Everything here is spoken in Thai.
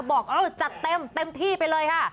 บอกเอ้าจัดเต็มเต็มที่ไปเลยค่ะ